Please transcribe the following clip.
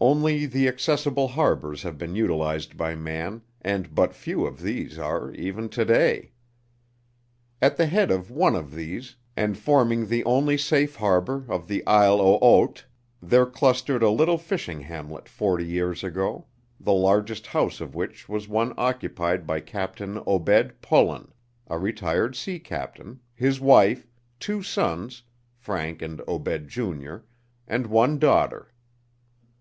Only the accessible harbors have been utilized by man, and but few of these are, even to day. At the head of one of these, and forming the only safe harbor of the Isle au Haut, there clustered a little fishing hamlet forty years ago, the largest house of which was one occupied by Captain Obed Pullen, a retired sea captain, his wife, two sons Frank and Obed, Jr., and one daughter.